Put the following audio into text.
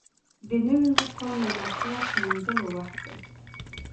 د نوي مقام یا مسلک موندلو وخت دی.